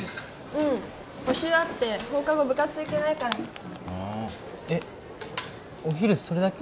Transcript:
うん補習あって放課後部活行けないからえっお昼それだけ？